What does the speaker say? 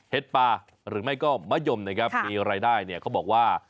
ปลาหรือไม่ก็มะยมนะครับมีรายได้เนี่ยเขาบอกว่า